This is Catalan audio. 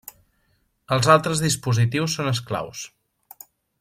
Els altres dispositius són esclaus.